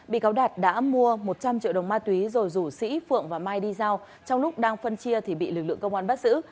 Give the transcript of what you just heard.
bị cáo đạt đã mua một trăm linh triệu đồng ma túy rồi rủ sĩ phượng và mai đi giao trong lúc đang phân chia thì bị lực lượng công an bắt giữ